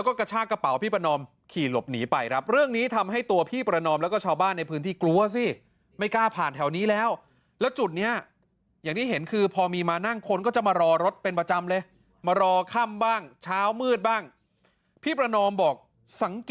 คนร้ายบอกว่าอย่าวิ่งหนีนะอยู่วิ่งหนีกูแทงนะ